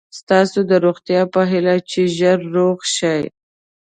ستاسو د روغتیا په هیله چې ژر روغ شئ.